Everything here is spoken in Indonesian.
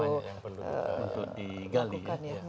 perlu di gali ya